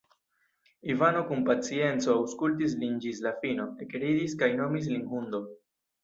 Ivano kun pacienco aŭskultis lin ĝis la fino, ekridis kaj nomis lin hundo.